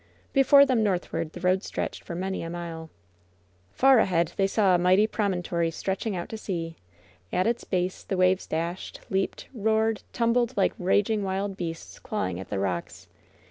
Before them northward the road stretched for many a mile. Far ahead they saw a mighty promontory stretching out to sea. At its base the waves dashed, leaped, roared. 184 LOVE'S BITTEREST CUP tumbled like raging wild beasts clawing at the rocks.